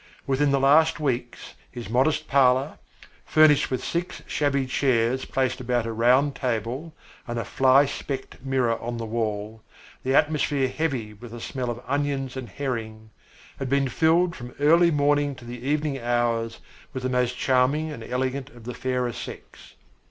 Within the last weeks his modest parlour furnished with six shabby chairs placed about a round table, and a fly specked mirror on the wall the atmosphere heavy with a smell of onions and herring, had been filled from early morning to the evening hours with the most charming and elegant of the fairer sex.